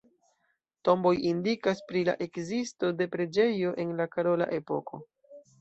Tomboj indikas pri la ekzisto de preĝejo en la karola epoko.